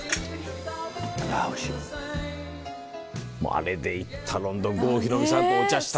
あれで行ったロンドン郷ひろみさんとお茶したとか。